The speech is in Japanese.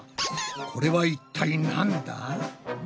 これは一体なんだ？